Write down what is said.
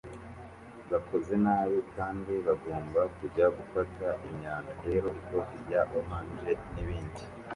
bakoze nabi kandi bagomba kujya gufata imyanda rero ikoti rya orange nibindi